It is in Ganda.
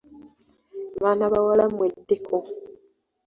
Baana bawala mweddeko!